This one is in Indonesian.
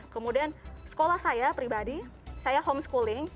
kemudian sekolah saya pribadi saya homeschooling